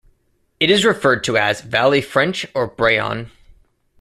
It is referred to as "Valley French" or "Brayon".